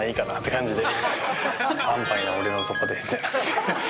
安パイな俺のとこでみたいな。